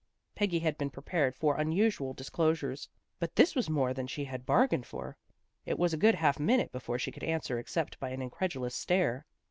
Peggy had been prepared for unusual dis closures, but this was more than she had bar gained for. . It was a good half minute before she could answer except by an incredulous stare.